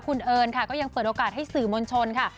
คุณเอิญค่ะก็ยังเปิดโอกาสให้สื่อมวลชนค่ะ